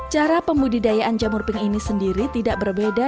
cara pembudidayaan jamur pink ini sendiri tidak berbeda